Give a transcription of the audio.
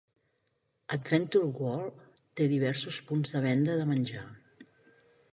Adventure World té diversos punts de venda de menjar.